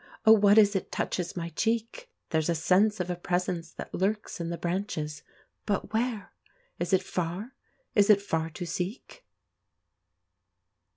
Oh, what is it touches my cheek? There's a sense of a presence that lurks in the branches. But where? Is it far, is it far to seek?